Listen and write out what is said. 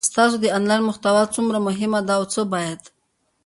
ستاسو انلاین محتوا څومره مهمه ده او څه باید